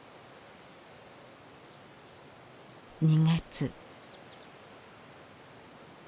２月。